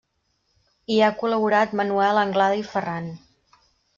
Hi ha col·laborat Manuel Anglada i Ferran.